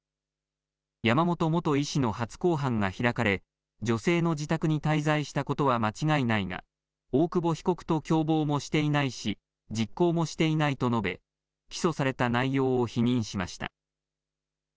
山本元医師の初公判が開かれ、女性の自宅に滞在したことは間違いないが、大久保被告と共謀もしていないし、実行もしていないと述べ、起訴された内容を否認しました。